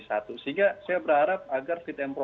itu dihasilkan dalam undang undang tni